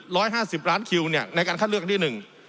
ร้อยห้าสิบล้านคิวเนี่ยในการคัดเลือกที่หนึ่ง